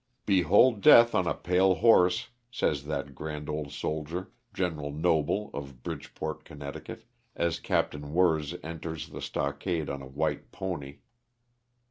"Behold death on a pale horse," says that grand old soldier, Gen. Noble, of Bridgeport, Conn., as Capt. Wirz enters the stockade on a white pony.